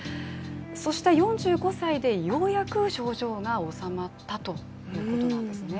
そして４５歳でようやく症状が治まったということなんですね。